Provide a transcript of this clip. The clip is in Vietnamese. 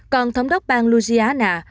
còn thống đốc bang louisiana